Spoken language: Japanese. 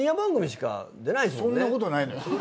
そんなことない。